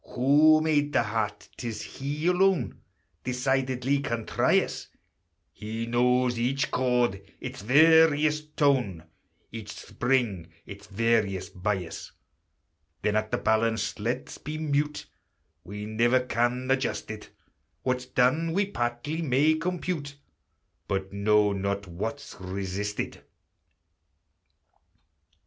Who made the heart, 't is He alone Decidedly can try us; He knows each chord, its various tone, Each spring, its various bias: Then at the balance let's be mute, We never can adjust it; What's done we partly may compute, But know not what's resisted.